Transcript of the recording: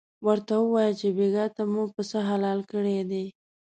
ورته ووایه چې بېګاه ته مو پسه حلال کړی دی.